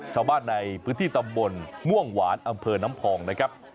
ชาวบ้านในพื้นที่ตำบลม่วงหวานอำเภอน้ำพองนะครับ